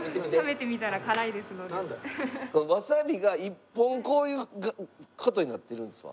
これわさびが一本こういう事になってるんですわ。